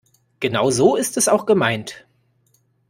Genau so ist es auch gemeint.